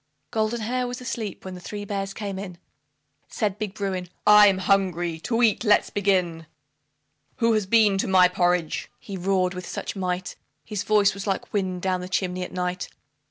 Goldenhair was asleep when the three bears came in. Said Big Bruin, "I'm hungry to eat, let's begin WHO HAS BEEN TO MY PORRIDGE?" he roared with such might; His voice was like wind down the chimney at night.